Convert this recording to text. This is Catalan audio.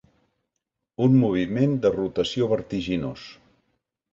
Un moviment de rotació vertiginós.